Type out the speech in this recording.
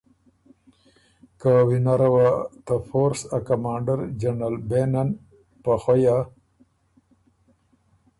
که وینره وه ته فورس ا کمانډر جنرل بېنن په خوَیه،